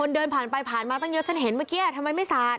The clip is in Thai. เดินผ่านไปผ่านมาเยอะผมเลยเห็นเพราะมันไม่สาด